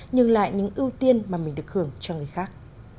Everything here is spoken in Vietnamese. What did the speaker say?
nhường lại những ưu tiên mà mình được hưởng cho người khác